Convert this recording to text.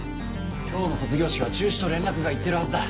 今日の卒業式は中止と連絡がいってるはずだ。